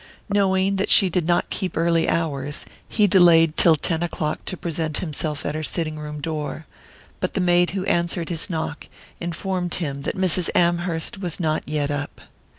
Knowing that she did not keep early hours he delayed till ten o'clock to present himself at her sitting room door, but the maid who answered his knock informed him that Mrs. Amherst was not yet up.